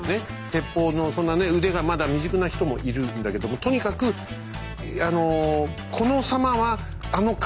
鉄砲のそんなね腕がまだ未熟な人もいるんだけどもとにかくこの狭間はあの壁専用の狭間。